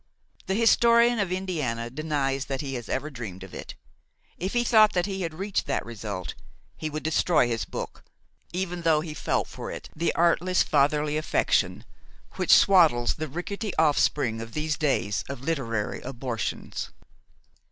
The historian of Indiana denies that he has ever dreamed of it; if he thought that he had reached that result, he would destroy his book, even though he felt for it the artless fatherly affection which swaddles the rickety offspring of these days of literary abortions.